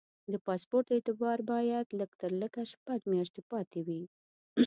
د پاسپورټ اعتبار باید لږ تر لږه شپږ میاشتې پاتې وي.